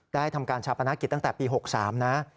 ทำการชาปนกิจตั้งแต่ปี๖๓นะ